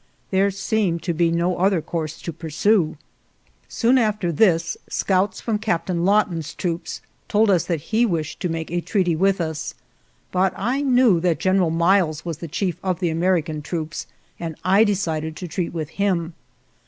There seemed to be no other course to pursue. Soon after this scouts from Captain Law ton's troops told us that he wished to make a treaty with us; but I knew that General Miles was the chief of the American troops, and I decided to treat with him.